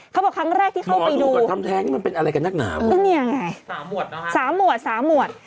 เขาบอกครั้งแรกที่เข้าไปดูสามหมวดนะคะ